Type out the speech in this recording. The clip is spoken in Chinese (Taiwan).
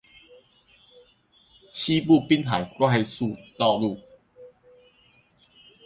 西部濱海快速公路